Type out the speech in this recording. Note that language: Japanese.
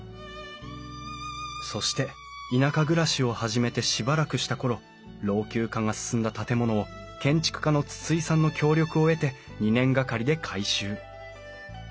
そして田舎暮らしを始めてしばらくした頃老朽化が進んだ建物を建築家の筒井さんの協力を得て２年がかりで改修。